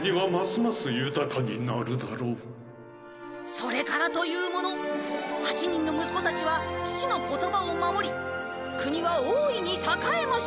それからというもの８人の息子たちは父の言葉を守り国は大いに栄えました。